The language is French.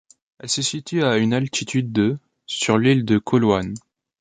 Elle se situe à une altitude de sur l'île de Coloane.